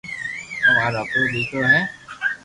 او مارو ھکرو ديڪرو ھي